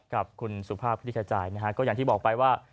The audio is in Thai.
กับคุณสุภาพคลิกขจายนะฮะก็อย่างที่บอกไปว่า